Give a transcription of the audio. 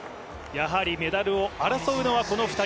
メダルを争うのは、この２人。